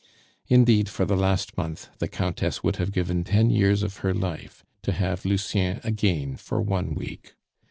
Indeed, for the last month the Countess would have given ten years of her life to have Lucien again for one week.